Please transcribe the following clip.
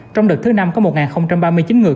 trong đợt thứ năm có một ba mươi chín người